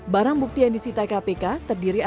barang bukti yang disita kpk terdiri atas